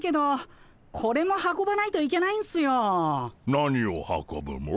何を運ぶモ？